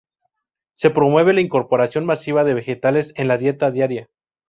Se promueve la incorporación masiva de vegetales en la dieta diaria.